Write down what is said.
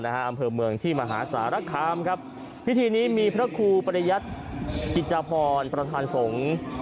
อำเภอเมืองที่มหาสารคามครับพิธีนี้มีพระครูปริยัติกิจพรประธานสงฆ์